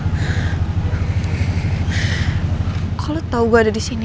kok lo tau gue ada disini